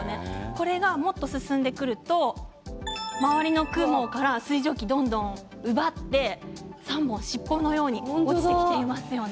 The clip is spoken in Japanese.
これがもっと進んでくると周りの雲から水蒸気をどんどん奪って３本、尻尾のように落ちてきていますね。